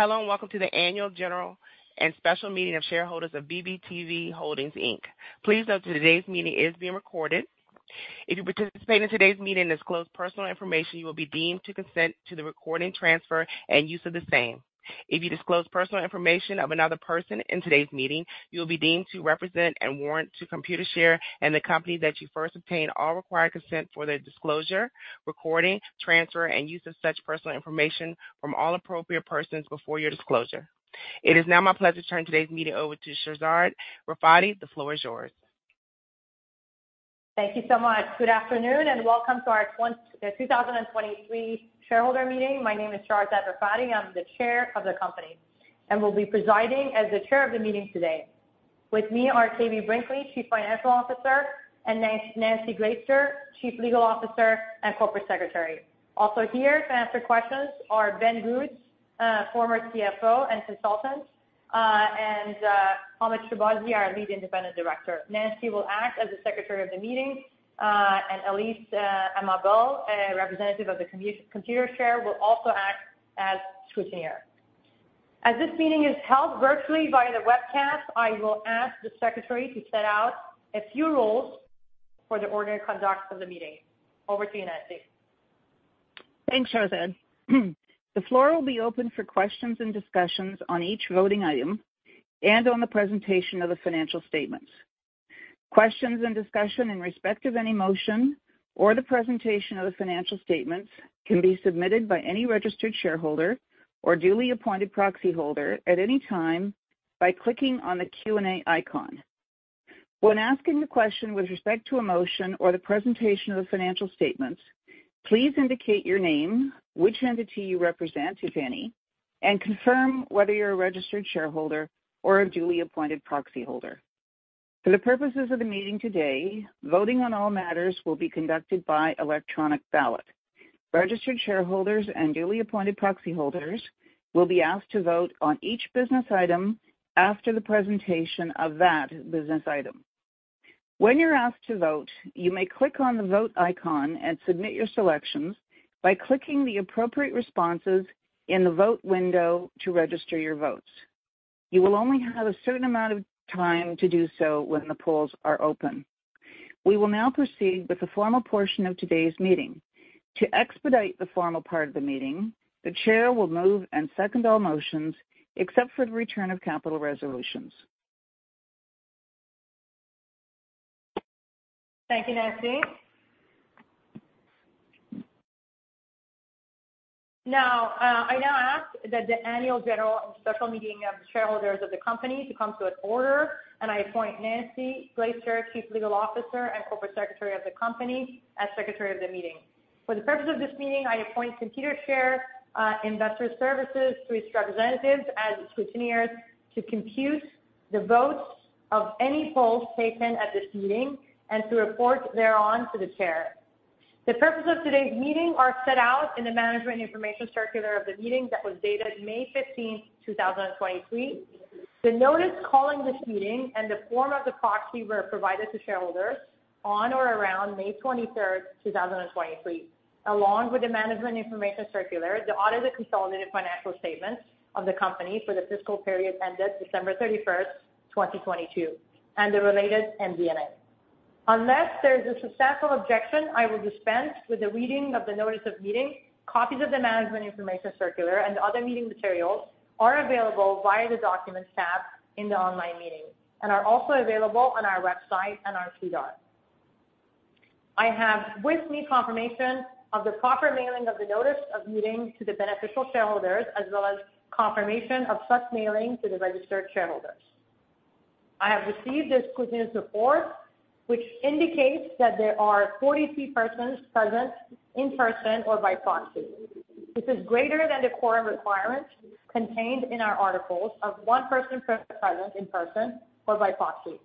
Hello and welcome to the annual general and special meeting of shareholders of BBTV Holdings Inc. Please note that today's meeting is being recorded. If you participate in today's meeting and disclose personal information, you will be deemed to consent to the recording, transfer, and use of the same. If you disclose personal information of another person in today's meeting, you will be deemed to represent and warrant to Computershare and the company that you first obtain all required consent for the disclosure, recording, transfer, and use of such personal information from all appropriate persons before your disclosure. It is now my pleasure to turn today's meeting over to Shahrzad Rafati. The floor is yours. Thank you so much. Good afternoon and welcome to our 2023 shareholder meeting. My name is Shahrzad Rafati. I'm the Chair of the company, and will be presiding as the Chair of the meeting today. With me are KB Brinkley, Chief Financial Officer, and Nancy Glaister, Chief Legal Officer and Corporate Secretary. Also here to answer questions are Ben Groot, former CFO and consultant, and Hamed Shahbazi, our Lead Independent Director. Nancy will act as the Secretary of the meeting. Ellis Amabel, a representative of the Computershare, will also act as scrutineer. As this meeting is held virtually via the webcast, I will ask the Secretary to set out a few rules for the order and conduct of the meeting. Over to you, Nancy. Thanks, Shahrzad. The floor will be open for questions and discussions on each voting item and on the presentation of the financial statements. Questions and discussion in respect of any motion or the presentation of the financial statements can be submitted by any registered shareholder or duly appointed proxyholder at any time by clicking on the Q&A icon. When asking a question with respect to a motion or the presentation of the financial statements, please indicate your name, which entity you represent, if any, and confirm whether you're a registered shareholder or a duly appointed proxyholder. For the purposes of the meeting today, voting on all matters will be conducted by electronic ballot. Registered shareholders and duly appointed proxyholders will be asked to vote on each business item after the presentation of that business item. When you're asked to vote, you may click on the Vote icon and submit your selections by clicking the appropriate responses in the vote window to register your votes. You will only have a certain amount of time to do so when the polls are open. We will now proceed with the formal portion of today's meeting. To expedite the formal part of the meeting, the Chair will move and second all motions except for the return of capital resolutions. Thank you, Nancy. I now ask that the annual general and special meeting of the shareholders of the company to come to an order, and I appoint Nancy Glaister, Chief Legal Officer and Corporate Secretary of the company, as secretary of the meeting. For the purpose of this meeting, I appoint Computershare Investor Services through its representatives as scrutineers to compute the votes of any polls taken at this meeting, and to report thereon to the Chair. The purpose of today's meeting are set out in the management information circular of the meeting that was dated May 15th, 2023. The notice calling this meeting and the form of the proxy were provided to shareholders on or around May 23rd, 2023, along with the management information circular, the audited consolidated financial statements of the company for the fiscal period ended December 31st, 2022, and the related MD&A. Unless there's a successful objection, I will dispense with the reading of the notice of meeting. Copies of the management information circular and other meeting materials are available via the Documents tab in the online meeting and are also available on our website and our SEDAR. I have with me confirmation of the proper mailing of the notice of meeting to the beneficial shareholders, as well as confirmation of such mailing to the registered shareholders. I have received the scrutineer's report, which indicates that there are 43 persons present in person or by proxy, which is greater than the quorum requirements contained in our articles of one person present in person or by proxy.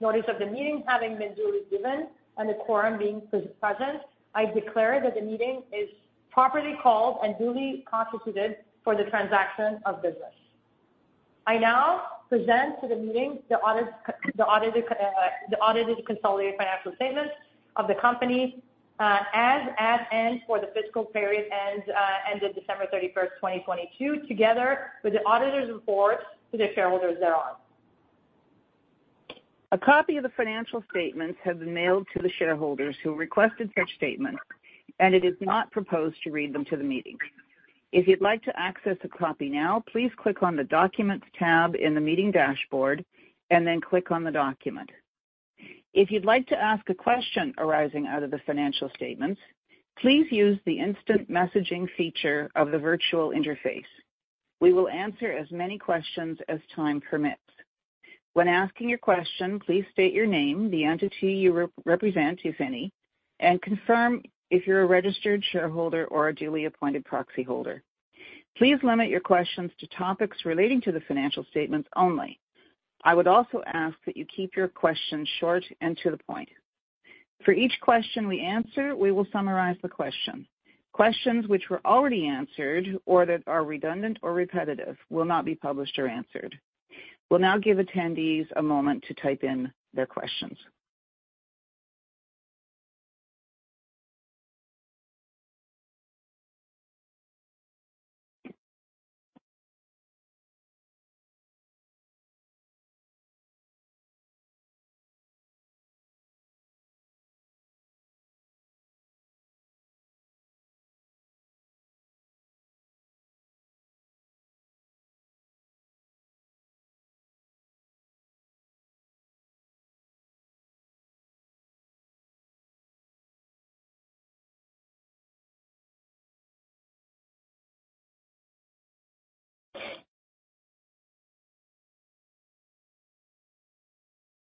Notice of the meeting having been duly given and the quorum being present, I declare that the meeting is properly called and duly constituted for the transaction of business. I now present to the meeting the audited consolidated financial statements of the company as at and for the fiscal period ended December 31st, 2022, together with the auditor's report to the shareholders thereon. A copy of the financial statements have been mailed to the shareholders who requested such statements, and it is not proposed to read them to the meeting. If you'd like to access a copy now, please click on the Documents tab in the meeting dashboard and then click on the document. If you'd like to ask a question arising out of the financial statements, please use the instant messaging feature of the virtual interface. We will answer as many questions as time permits. When asking your question, please state your name, the entity you represent, if any, and confirm if you're a registered shareholder or a duly appointed proxyholder. Please limit your questions to topics relating to the financial statements only. I would also ask that you keep your questions short and to the point. For each question we answer, we will summarize the question. Questions which were already answered or that are redundant or repetitive will not be published or answered. We'll now give attendees a moment to type in their questions.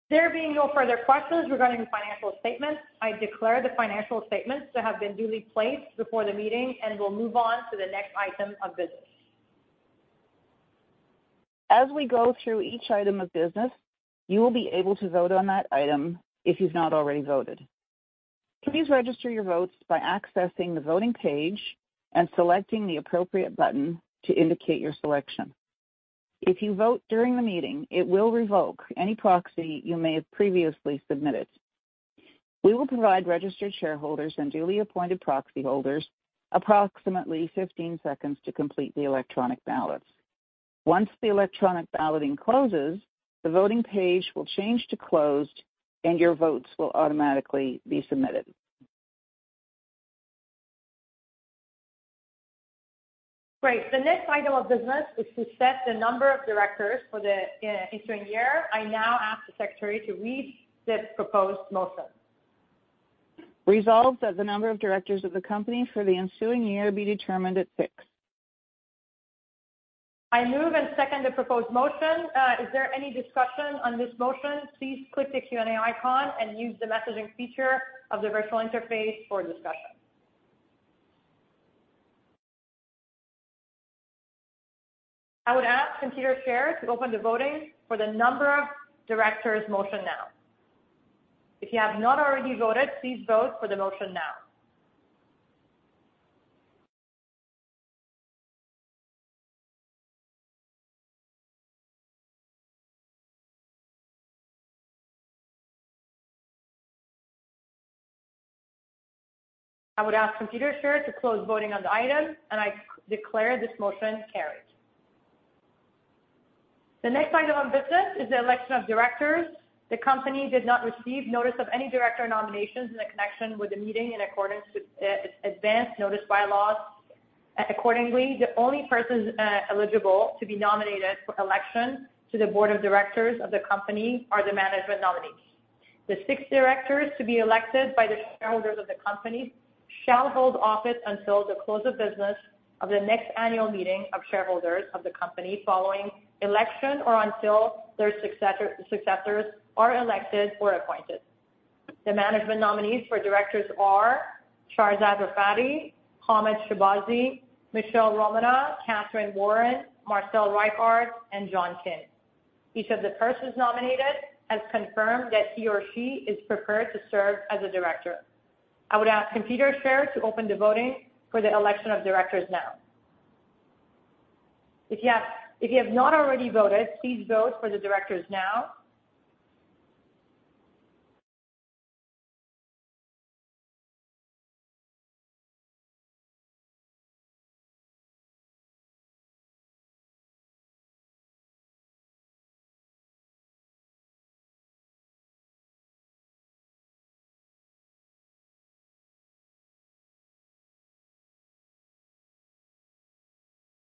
There being no further questions regarding the financial statements, I declare the financial statements to have been duly placed before the meeting, and we'll move on to the next item of business. As we go through each item of business, you will be able to vote on that item if you've not already voted. Please register your votes by accessing the voting page and selecting the appropriate button to indicate your selection. If you vote during the meeting, it will revoke any proxy you may have previously submitted. We will provide registered shareholders and duly appointed proxy holders approximately 15 seconds to complete the electronic ballots. Once the electronic balloting closes, the voting page will change to closed, and your votes will automatically be submitted. Great. The next item of business is to set the number of directors for the ensuing year. I now ask the Secretary to read the proposed motion. Resolved that the number of directors of the company for the ensuing year be determined at six. I move and second the proposed motion. Is there any discussion on this motion? Please click the Q&A icon and use the messaging feature of the virtual interface for discussion. I would ask Computershare to open the voting for the number of directors motion now. If you have not already voted, please vote for the motion now. I would ask Computershare to close voting on the item, and I declare this motion carried. The next item of business is the election of directors. The company did not receive notice of any director nominations in connection with the meeting in accordance with its advanced notice bylaws. Accordingly, the only persons eligible to be nominated for election to the board of directors of the company are the management nominees. The six directors to be elected by the shareholders of the company shall hold office until the close of business of the next annual meeting of shareholders of the company following election or until their successors are elected or appointed. The management nominees for directors are Shahrzad Rafati, Hamed Shahbazi, Michele Romanow, Catherine Warren, Marcel Reichart, and John Kim. Each of the persons nominated has confirmed that he or she is prepared to serve as a director. I would ask Computershare to open the voting for the election of directors now. If you have not already voted, please vote for the directors now.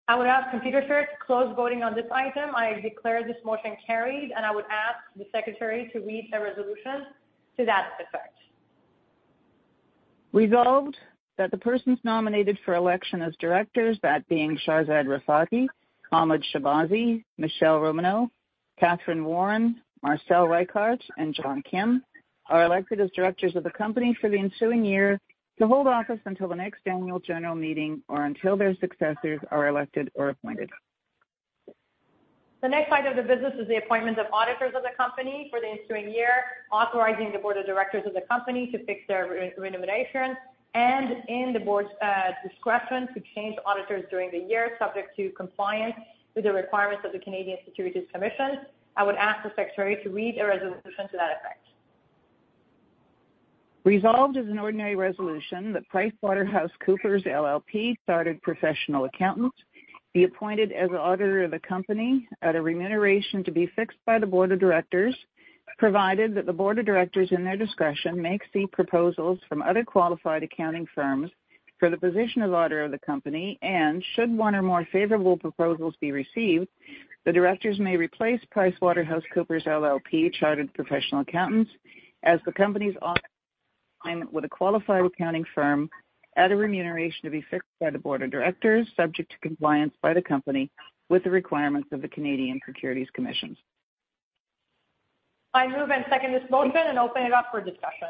I would ask Computershare to close voting on this item. I declare this motion carried, and I would ask the Secretary to read a resolution to that effect. Resolved that the persons nominated for election as directors, that being Shahrzad Rafati, Hamed Shahbazi, Michele Romanow, Catherine Warren, Marcel Reichart, and John Kim, are elected as directors of the company for the ensuing year to hold office until the next annual general meeting or until their successors are elected or appointed. The next item of business is the appointment of auditors of the company for the ensuing year, authorizing the board of directors of the company to fix their remuneration and, in the board's discretion, to change auditors during the year, subject to compliance with the requirements of the Canadian Securities Administrators. I would ask the Secretary to read a resolution to that effect. Resolved as an ordinary resolution that PricewaterhouseCoopers LLP, Chartered Professional Accountants, be appointed as auditor of the company at a remuneration to be fixed by the board of directors, provided that the board of directors, in their discretion, may seek proposals from other qualified accounting firms for the position of auditor of the company, and should one or more favorable proposals be received, the directors may replace PricewaterhouseCoopers LLP, Chartered Professional Accountants, as the company's auditor with a qualified accounting firm at a remuneration to be fixed by the board of directors, subject to compliance by the company with the requirements of the Canadian Securities Administrators. I move and second this motion and open it up for discussion.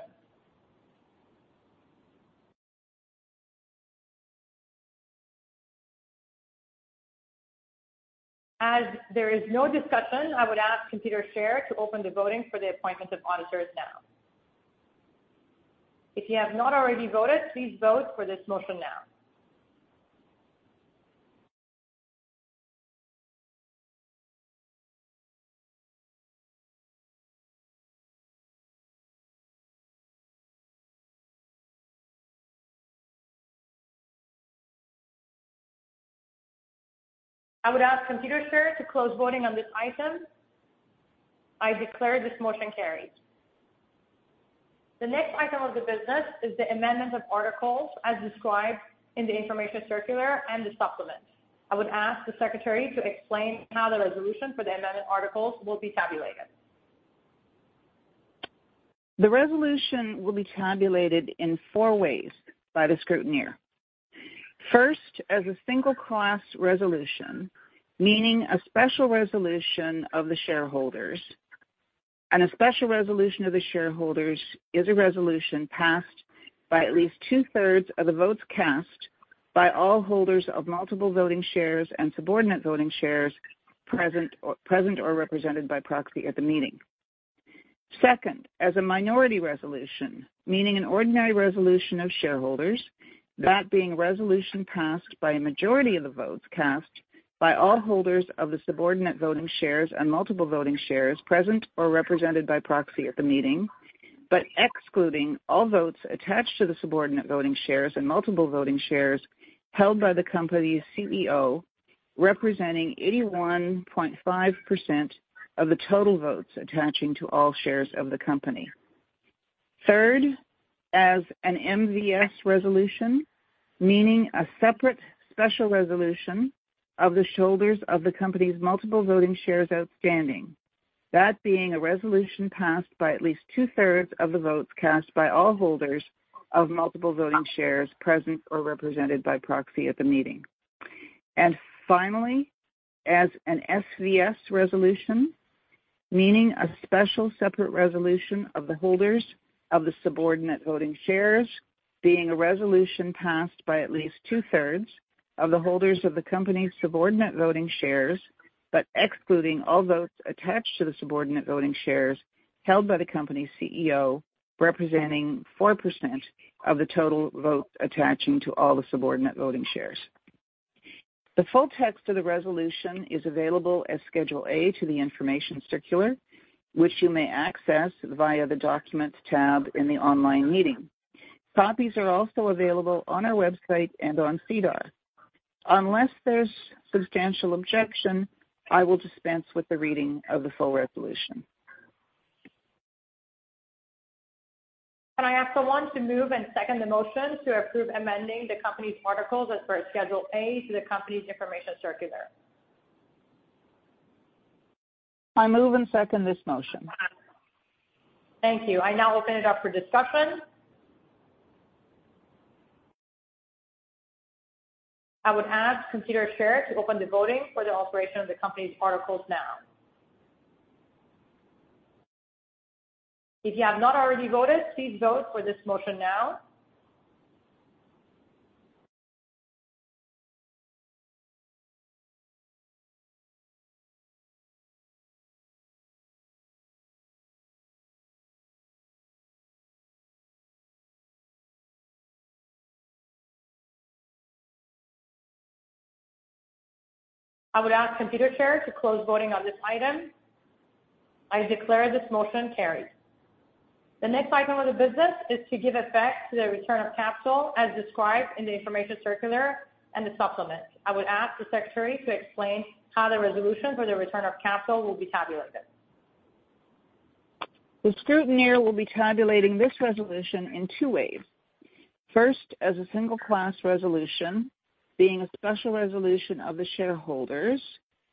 As there is no discussion, I would ask Computershare to open the voting for the appointment of auditors now. If you have not already voted, please vote for this motion now. I would ask Computershare to close voting on this item. I declare this motion carried. The next item of the business is the amendment of articles as described in the information circular and the supplement. I would ask the Secretary to explain how the resolution for the amended articles will be tabulated. The resolution will be tabulated in four ways by the scrutineer. First, as a single class resolution, meaning a special resolution of the shareholders. A special resolution of the shareholders is a resolution passed by at least two-thirds of the votes cast by all holders of multiple voting shares and subordinate voting shares present or represented by proxy at the meeting. Second, as a minority resolution, meaning an ordinary resolution of shareholders, that being a resolution passed by a majority of the votes cast by all holders of the subordinate voting shares and multiple voting shares present or represented by proxy at the meeting, excluding all votes attached to the subordinate voting shares and multiple voting shares held by the company's CEO, representing 81.5% of the total votes attaching to all shares of the company. Third, as an MVS resolution, meaning a separate special resolution of the shareholders of the company's multiple voting shares outstanding. That being a resolution passed by at least two-thirds of the votes cast by all holders of multiple voting shares present or represented by proxy at the meeting. Finally, as an SVS resolution, meaning a special separate resolution of the holders of the subordinate voting shares, being a resolution passed by at least two-thirds of the holders of the company's subordinate voting shares, but excluding all votes attached to the subordinate voting shares held by the company's CEO, representing 4% of the total votes attaching to all the subordinate voting shares. The full text of the resolution is available as Schedule A to the information circular, which you may access via the Documents tab in the online meeting. Copies are also available on our website and on SEDAR. Unless there's substantial objection, I will dispense with the reading of the full resolution. Can I ask someone to move and second the motion to approve amending the company's articles as per Schedule A to the company's information circular? I move and second this motion. Thank you. I now open it up for discussion. I would ask Computershare to open the voting for the alteration of the company's articles now. If you have not already voted, please vote for this motion now. I would ask Computershare to close voting on this item. I declare this motion carried. The next item of the business is to give effect to the return of capital as described in the information circular and the supplement. I would ask the Secretary to explain how the resolution for the return of capital will be tabulated. The scrutineer will be tabulating this resolution in two ways. First, as a single class resolution, being a special resolution of the shareholders,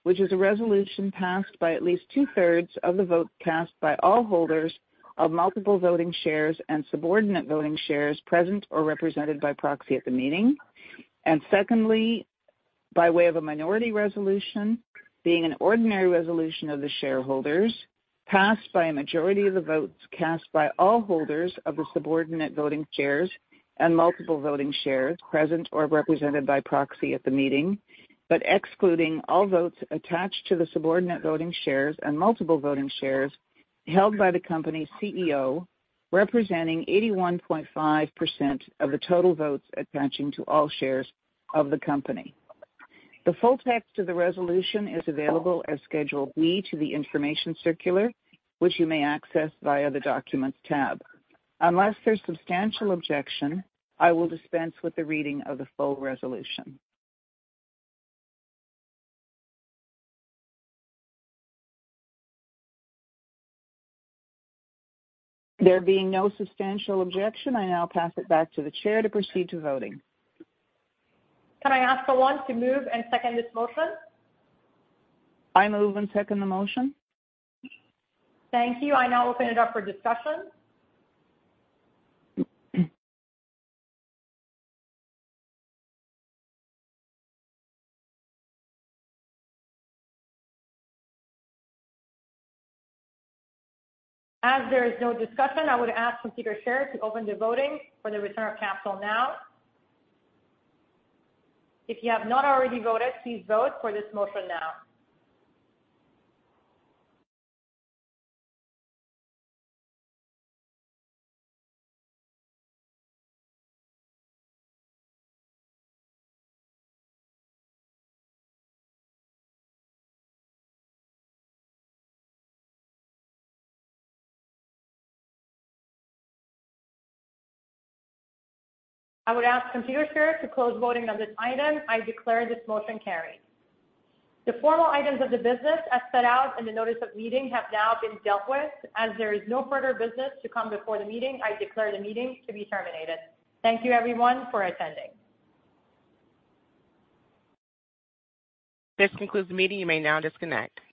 which is a resolution passed by at least two-thirds of the vote cast by all holders of multiple voting shares and subordinate voting shares present or represented by proxy at the meeting. Secondly, by way of a minority resolution, being an ordinary resolution of the shareholders, passed by a majority of the votes cast by all holders of the subordinate voting shares and multiple voting shares present or represented by proxy at the meeting, but excluding all votes attached to the subordinate voting shares and multiple voting shares held by the company's CEO, representing 81.5% of the total votes attaching to all shares of the company. The full text of the resolution is available as Schedule B to the information circular, which you may access via the Documents tab. Unless there is substantial objection, I will dispense with the reading of the full resolution. There being no substantial objection, I now pass it back to the Chair to proceed to voting. Can I ask someone to move and second this motion? I move and second the motion. Thank you. I now open it up for discussion. As there is no discussion, I would ask Computershare to open the voting for the return of capital now. If you have not already voted, please vote for this motion now. I would ask Computershare to close voting on this item. I declare this motion carried. The formal items of the business as set out in the notice of meeting have now been dealt with. As there is no further business to come before the meeting, I declare the meeting to be terminated. Thank you everyone for attending. This concludes the meeting. You may now disconnect.